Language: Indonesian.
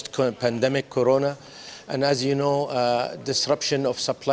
dan keamanan makanan adalah masalah nomor satu